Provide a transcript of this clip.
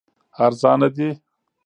ارزانه دي.